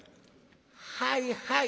「はいはい。